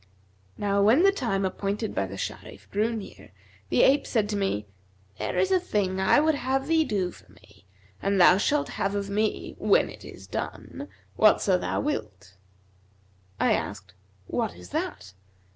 Now when the time appointed by the Sharif drew near, the ape said to me, 'There is a thing I would have thee do for me; and thou shalt have of me (when it is done) whatso thou wilt.' I asked, 'What is that?'